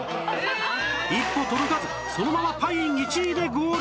一歩届かずそのままパイン１位でゴール